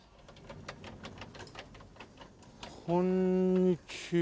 こんにちは。